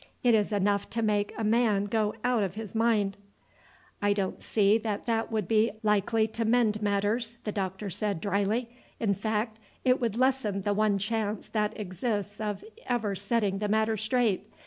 It is enough to make a man go out of his mind." "I don't see that that would be likely to mend matters," the doctor said dryly; "in fact it would lessen the one chance that exists of ever setting the matter straight.